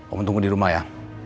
tunggu tunggu di rumah ya